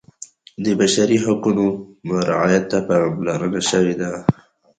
د بشري حقونو رعایت ته پاملرنه شوې ده.